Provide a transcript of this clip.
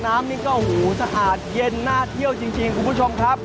น้ำนี่ก็หูสะอาดเย็นน่าเที่ยวจริงคุณผู้ชมครับ